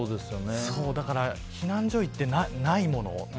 だから、避難所に行ってないもの。